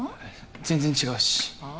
全然違うしはあ？